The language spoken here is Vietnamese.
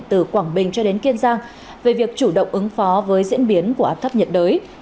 từ quảng bình cho đến kiên giang về việc chủ động ứng phó với diễn biến của áp thấp nhiệt đới